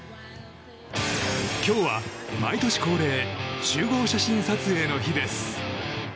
今日は毎年恒例集合写真撮影の日です。